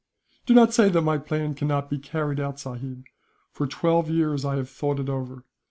"Do not say that my plan cannot be carried out, sahib. For twelve years I have thought it over.